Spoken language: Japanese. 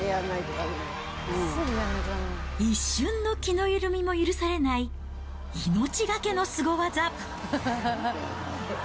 一瞬の気の緩みも許されない命懸けのスゴ技。